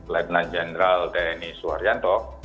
lieutenant general tni soeharyanto